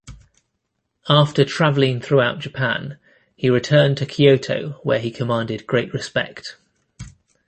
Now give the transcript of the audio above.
After traveling throughout Japan, he returned to Kyoto where he commanded great respect.